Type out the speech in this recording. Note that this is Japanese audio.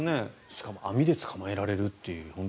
しかも網で捕まえられるという。